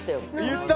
言った！